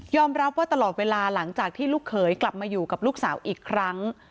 รับว่าตลอดเวลาหลังจากที่ลูกเขยกลับมาอยู่กับลูกสาวอีกครั้ง